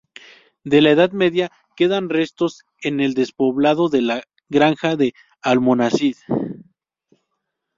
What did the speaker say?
De la Edad Media quedan restos en el despoblado de la Granja de Almonacid.